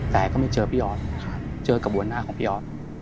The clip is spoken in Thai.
แต่ก็ไม่เจอพี่ออสเจอกระบวนหน้าของพี่ออส